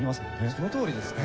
そのとおりですね。